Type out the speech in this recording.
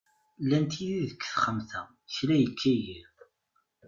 Llant yid-i deg texxamt-a, kra yekka yiḍ.